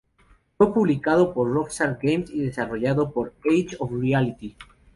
Fue publicado por Rockstar Games y desarrollado por Edge of Reality.